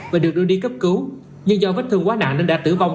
và được đưa đi cấp cứu nhưng do vết thương quá nặng nên đã tử vong